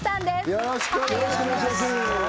よろしくお願いします